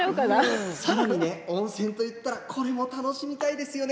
さらにね、温泉といったらこれも楽しみたいですよね。